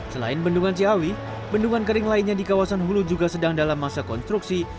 selain bendungan ciawi bendungan kering lainnya di kawasan hulu juga sedang dalam masa konstruksi